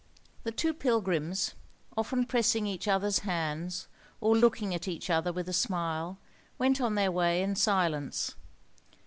* The two pilgrims, often pressing each other's hands, or looking at each other with a smile, went on their way in silence.